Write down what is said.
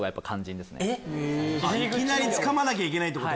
いきなりつかまなきゃいけないってこと。